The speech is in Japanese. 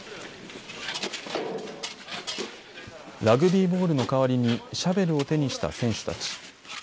ラグビーボールの代わりにシャベルを手にした選手たち。